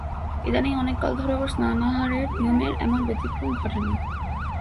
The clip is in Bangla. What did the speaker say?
ইদানীং অনেক কাল ধরে ওর স্নানাহারের নিয়মের এমন ব্যতিক্রম ঘটে নি।